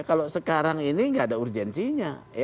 kalau sekarang ini nggak ada urgensinya